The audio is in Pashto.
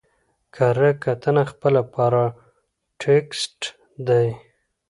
کره کتنه خپله پاراټيکسټ دئ.